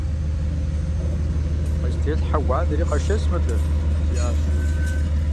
- Къыстелъхьэ уанэри, къэшэс мыдэ! - жиӏащ шым.